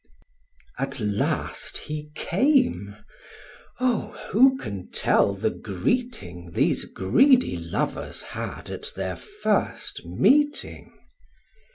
At last he came: O, who can tell the greeting These greedy lovers had at their first meeting?